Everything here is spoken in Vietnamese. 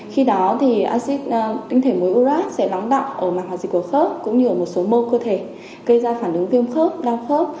khi đó thì acid tinh thể mối urat sẽ lóng đọng ở mạng hòa dịch của khớp cũng như ở một số mô cơ thể gây ra phản ứng viêm khớp đau khớp